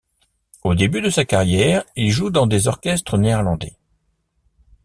Au début de sa carrière, il joue dans des orchestres néerlandais.